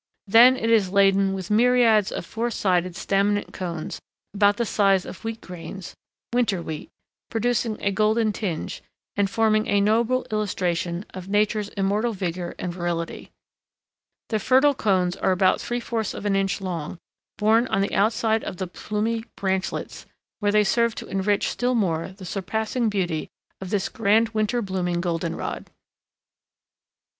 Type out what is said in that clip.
Then it is laden with myriads of four sided staminate cones about the size of wheat grains,—winter wheat,—producing a golden tinge, and forming a noble illustration of Nature's immortal vigor and virility. The fertile cones are about three fourths of an inch long, borne on the outside of the plumy branchlets, where they serve to enrich still more the surpassing beauty of this grand winter blooming goldenrod.